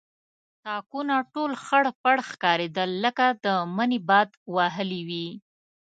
تاکونه ټول خړپړ ښکارېدل لکه د مني باد وهلي وي.